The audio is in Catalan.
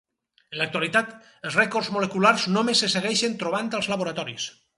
En l'actualitat, els records moleculars només se segueixen trobant als laboratoris.